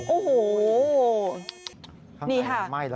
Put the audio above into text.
โอ๊วววว